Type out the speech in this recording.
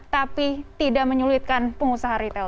tapi tidak menyulitkan pengusaha retail